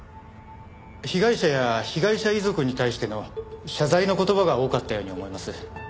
被害者や被害者遺族に対しての謝罪の言葉が多かったように思います。